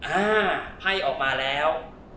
อ่าไพ่ออกมาแล้ว